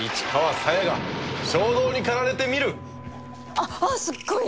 あっあっすごい！